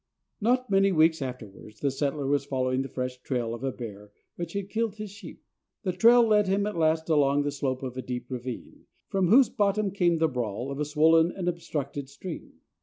Not many weeks afterwards the settler was following the fresh trail of a bear which had killed his sheep. The trail led him at last along the slope of a deep ravine, from whose bottom came the brawl of a swollen and obstructed stream.